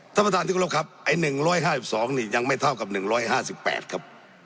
ท่านประธานที่กรบครับไอ้๑๕๒นี่ยังไม่เท่ากับ๑๕๘ครับ